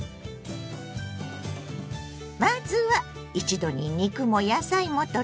まずは一度に肉も野菜もとれる！